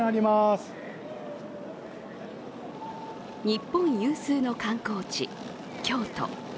日本有数の観光地・京都。